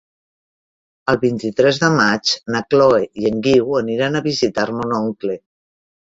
El vint-i-tres de maig na Chloé i en Guiu aniran a visitar mon oncle.